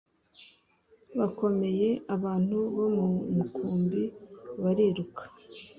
bakomeye abantu bo mu mukumbi bariruka